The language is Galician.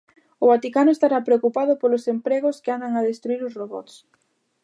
O Vaticano estará preocupado polos empregos que andan a destruír os robots.